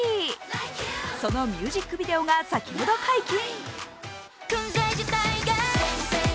そのミュージックビデオが先ほど解禁。